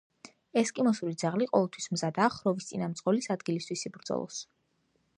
ესკიმოსური ძაღლი ყოველთვის მზადაა ხროვის წინამძღოლის ადგილისთვის იბრძოლოს.